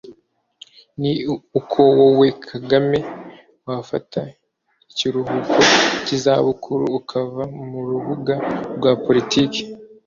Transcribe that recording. ni uko wowe Kagame wafata ikiruhuko kizabukuru ukava murubuga rwa politike